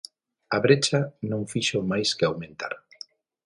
A brecha non fixo máis que aumentar.